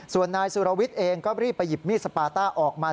ส่วนนายสุรวิทย์เองก็รีบไปหยิบมีดสปาต้าออกมา